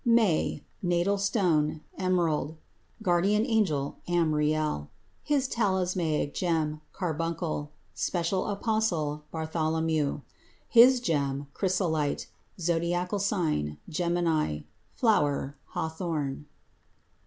MAY Natal stone Emerald. Guardian angel Amriel. His talismanic gem Carbuncle. Special apostle Bartholomew. His gem Chrysolite. Zodiacal sign Gemini. Flower Hawthorn.